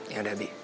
ya udah bi